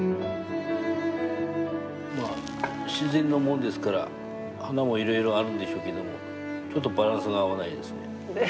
自然のものですから花もいろいろあるんでしょうけどもちょっとバランスが合わないですね。